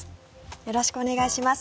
よろしくお願いします。